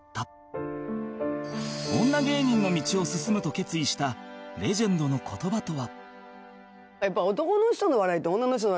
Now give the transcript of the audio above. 女芸人の道を進むと決意したレジェンドの言葉とは